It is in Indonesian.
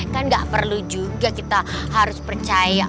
kan nggak perlu juga kita harus percaya